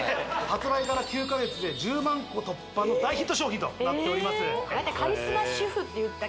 発売から９か月で１０万個突破の大ヒット商品となっております